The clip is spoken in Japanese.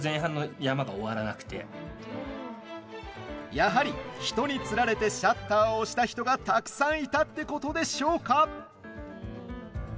やはり、人につられてシャッターを押した人がたくさんいたってことでしょうか。